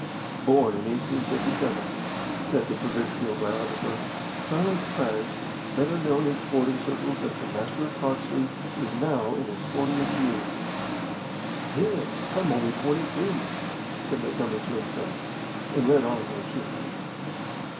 Born in 1857 (said the provincial biographer), Silas Craggs, better known in sporting circles as the Master of Croxley, is now in his fortieth year. "Hang it, I'm only twenty three!" said Montgomery to himself, and read on more cheerfully.